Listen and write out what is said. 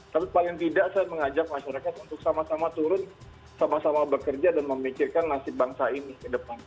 tapi paling tidak saya mengajak masyarakat untuk sama sama turun sama sama bekerja dan memikirkan nasib bangsa ini ke depan